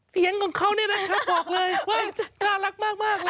เสียงของเขาเนี่ยนะครับบอกเลยว่าน่ารักมากเลย